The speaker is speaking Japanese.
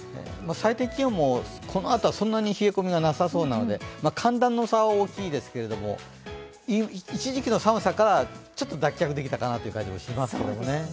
最低気温も、このあとはそんなに冷え込みもなさそうなので寒暖の差は大きいですけれども、一時期の寒さからはちょっと脱却できたかなという気もしますね。